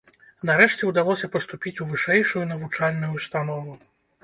Нарэшце ўдалося паступіць у вышэйшую навучальную ўстанову.